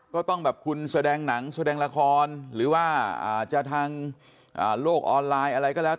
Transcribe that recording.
ก็ต้องแบบคุณแสดงหนังแสดงละครหรือว่าจะทางโลกออนไลน์อะไรก็แล้ว